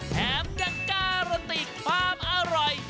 แถมกับการ์โรติความอร่อย